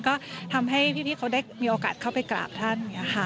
ก็ทำให้พี่เขามีโอกาสเข้าไปกราบท่าน